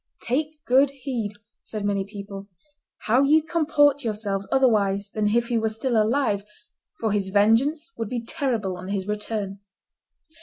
"Take good heed," said many people, "how ye comport yourselves otherwise than if he were still alive, for his vengeance would be terrible on his return."